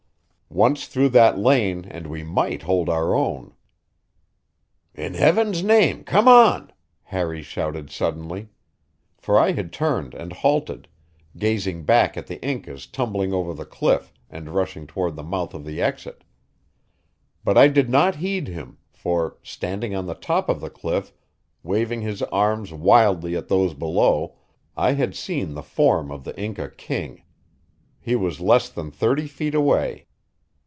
Once through that lane and we might hold our own. "In Heaven's name, come on!" Harry shouted suddenly; for I had turned and halted, gazing back at the Incas tumbling over the cliff and rushing toward the mouth of the exit. But I did not heed him, for, standing on the top of the cliff, waving his arms wildly at those below, I had seen the form of the Inca king. He was less than thirty feet away.